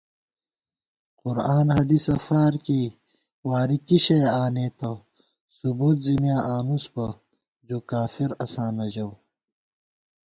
قرآن حدیثہ فارکېئ، واری کی شَیہ آنېتہ * ثبُوت زی میاں آنوس بہ، جوکافراساں نہ ژَؤ